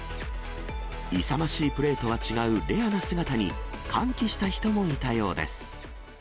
勇ましいプレーとは違うレアな姿に、歓喜した人もいたようです。